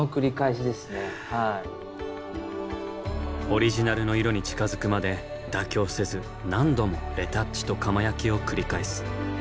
オリジナルの色に近づくまで妥協せず何度もレタッチと窯焼きを繰り返す。